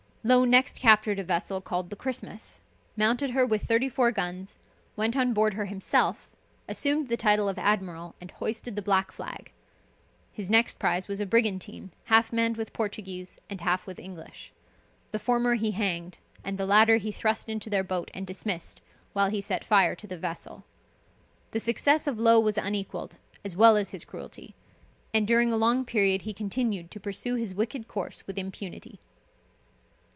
Low next captured a vessel called the Christmas, mounted her with thirty four guns, went on board her himself, assumed the title of admiral, and hoisted the black flag. His next prize was a brigantine half manned with Portuguese, and half with English. The former he hanged, and the latter he thrust into their boat and dismissed, while he set fire to the vessel. The success of Low was unequalled, as well as his cruelty; and during a long period he continued to pursue his wicked course with impunity.